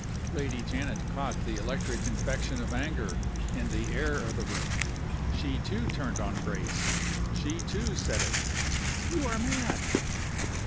Lady Janet caught the electric infection of anger in the air of the room. She, too, turned on Grace. She, too, said it: "You are mad!"